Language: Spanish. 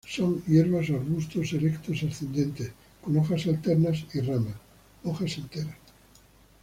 Son hierbas o arbustos erectos escandentes con hojas alternas y ramas, hojas enteras.